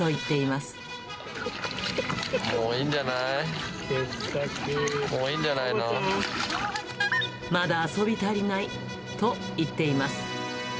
まだ遊び足りないと言っています。